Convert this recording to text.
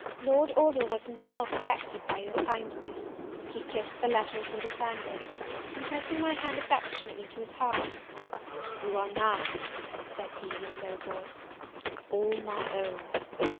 Lord Orville was himself affected by your kindness: he kissed the letter as he returned it; and, pressing my hand affectionately to his heart, "Your are now," said he, in a low voice, "all my own!